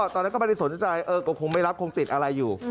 ตอนแรกก็ไม่ได้สนใจก็คงไม่รับคงติดอะไรอยู่